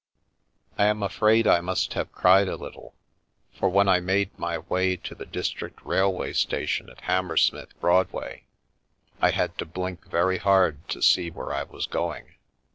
I am afraid I must have cried a little, for when I made my way to the Dis trict Railway Station at Hammersmith Broadway, I had to blink very hard to see where I was going.